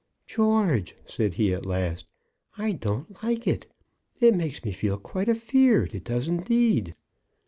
"George!" said he, at last, "I don't like it. It makes me quite afeard. It does indeed."